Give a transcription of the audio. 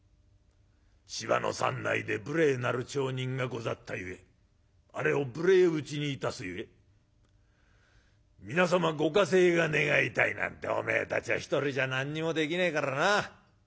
『芝の山内で無礼なる町人がござったゆえあれを無礼打ちにいたすゆえ皆様ご加勢が願いたい』なんておめえたちは一人じゃ何にもできねえからな。